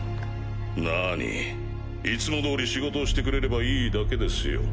なにいつもどおり仕事をしてくれればいいだけですよ。